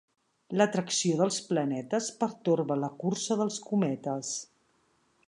L'atracció dels planetes pertorba la cursa dels cometes.